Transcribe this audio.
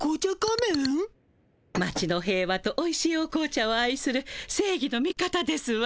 町の平和とおいしいお紅茶を愛する正義の味方ですわ。